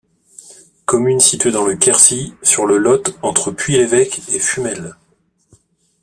Commune située dans le Quercy, sur le Lot, entre Puy-l'Évêque et Fumel.